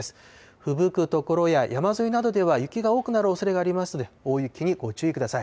ふぶく所や山沿いなどでは雪が多くなるおそれがありますので、大雪にご注意ください。